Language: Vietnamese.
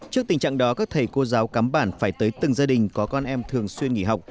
trước tình trạng đó các thầy cô giáo cắm bản phải tới từng gia đình có con em thường xuyên nghỉ học